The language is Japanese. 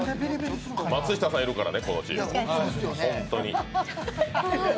松下さんいるからね、このチーム。